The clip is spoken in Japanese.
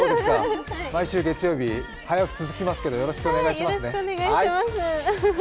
毎週月曜日、早起き続きますけどよろしくお願いします。